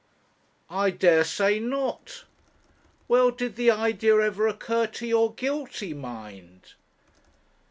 'I dare say not. Well, did the idea ever occur to your guilty mind?'